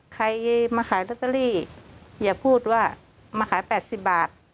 ใครมาขายลอตเตอรี่อย่าพูดว่ามาขาย๘๐บาท